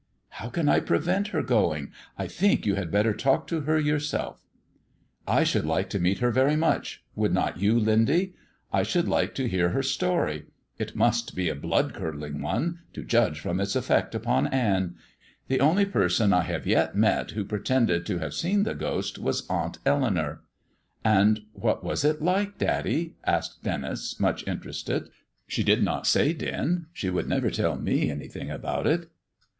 "How can I prevent her going? I think you had better talk to her yourself." "I should like to meet her very much; would not you, Lindy? I should like to hear her story; it must be a blood curdling one, to judge from its effect upon Ann. The only person I have yet met who pretended to have seen the ghost was Aunt Eleanour." "And what was it like, daddy?" asked Denis, much interested. "She did not say, Den. She would never tell me anything about it."